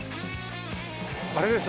あれです。